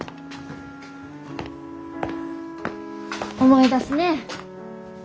思い出すね。